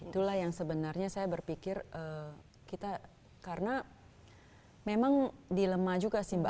itulah yang sebenarnya saya berpikir kita karena memang dilema juga sih mbak